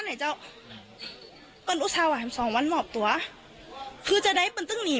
ไหนเจ้าเป็นอุตส่าห์ว่าเห็นสองวันหมอบตัวคือจะได้เป็นตึงอีก